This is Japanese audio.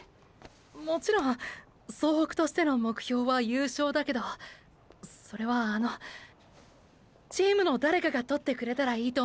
もちろん総北としての目標は優勝だけどそれはあのチームの誰かが獲ってくれたらいいと思ってる。